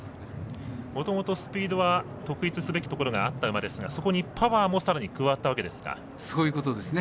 もともとスピードは得意とすべきところがあった馬ですがそこにパワーもそういうことですね。